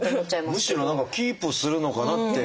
むしろ何かキープするのかなって。